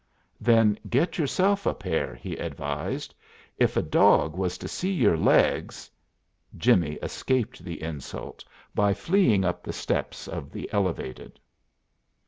"Then get yourself a pair," he advised. "If a dog was to see your legs " Jimmie escaped the insult by fleeing up the steps of the Elevated.